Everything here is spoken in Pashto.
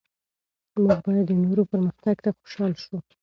موږ باید د نورو پرمختګ ته خوشحال شو.